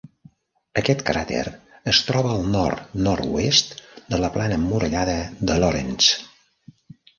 Aquest cràter es troba al nord-nord-oest de la plana emmurallada de Lorentz.